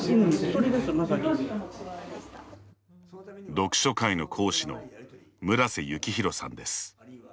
読書会の講師の村瀬幸浩さんです。